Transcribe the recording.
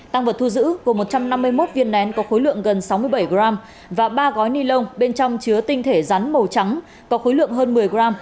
tăng vật thu giữ gồm một trăm năm mươi một viên nén có khối lượng gần sáu mươi bảy g và ba gói ni lông bên trong chứa tinh thể rắn màu trắng có khối lượng hơn một mươi gram